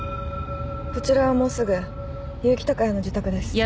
こちらはもうすぐ結城鷹也の自宅です。